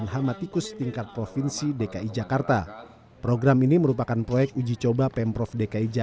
kalau kita basmi seperti ini kan belum pernah ini